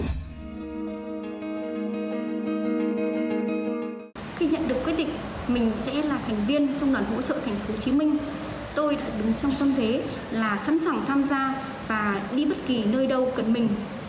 khi nhận được quyết định mình sẽ là thành viên trong đoàn hỗ trợ tp hcm tôi đứng trong tâm thế là sẵn sàng tham gia và đi bất kỳ nơi đâu cần mình